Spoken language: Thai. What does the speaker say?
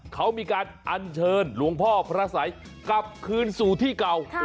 เขามีการอัญเชิญหลวงพ่อพระสัยกลับคืนสู่ที่เก่า